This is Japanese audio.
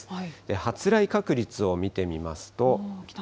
発雷確率を見てみますと。